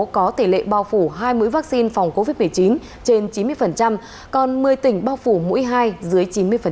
có tỷ lệ bao phủ hai mươi vaccine phòng covid một mươi chín trên chín mươi còn một mươi tỉnh bao phủ mũi hai dưới chín mươi